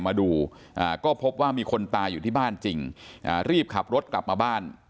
มาดูก็พบว่ามีคนตายอยู่ที่บ้านจริงรีบขับรถกลับมาบ้าน